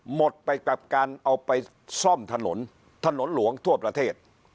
หมดไปกับการเอาไปซ่อมถนนถนนหลวงทั่วประเทศ